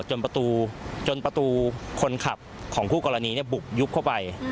ประตูจนประตูคนขับของคู่กรณีบุกยุบเข้าไป